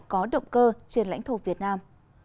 có động cơ trên lãnh thổ việt nam